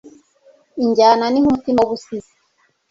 injyana ni nk'umutima w'ubusizi